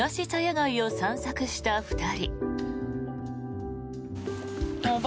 街を散策した２人。